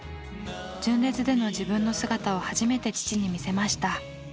純烈での自分の姿を初めて父に見せました。